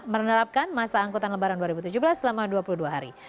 menerapkan masa angkutan lebaran dua ribu tujuh belas selama dua puluh dua hari